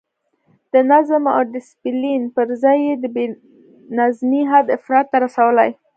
د نظم او ډسپلین پر ځای یې د بې نظمۍ حد افراط ته رسولی.